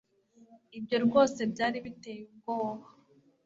Ibyo rwose byari biteye ubwoba